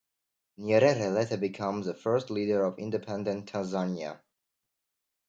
Nyerere later became the first leader of independent Tanzania.